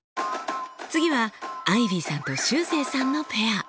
次はアイビーさんとしゅうせいさんのペア。